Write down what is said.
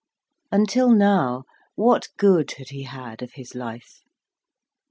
Until now what good had he had of his life?